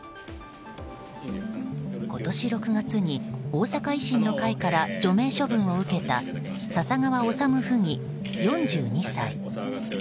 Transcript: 今年６月に大阪維新の会から除名処分を受けた笹川理府議、４２歳。